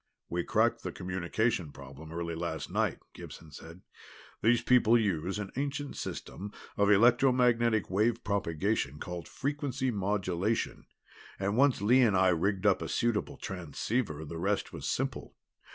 "We cracked the communications problem early last night," Gibson said. "These people use an ancient system of electromagnetic wave propagation called frequency modulation, and once Lee and I rigged up a suitable transceiver the rest was simple.